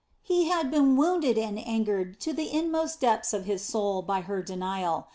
He had been wounded and angered to the inmost depths of his soul by her denial.